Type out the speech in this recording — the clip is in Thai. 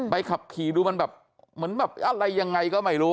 ขับขี่ดูมันแบบเหมือนแบบอะไรยังไงก็ไม่รู้